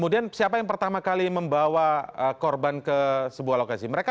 ini yang pertama kali membawa korban ke sebuah lokasi